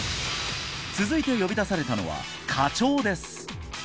続いて呼び出されたのは課長です